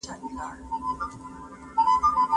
په خپله ژبه ليکل او لوستل وکړئ.